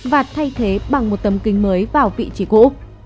và thay thế bằng một tầm kính mới vào vị trí cũ